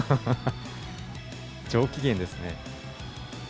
上機嫌ですね。